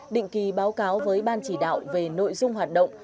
định kỳ báo cáo với ban chỉ đạo về nội dung hoạt động